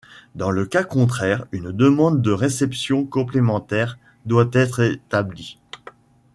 Dans le cas contraire une demande de réception complémentaire doit être établie.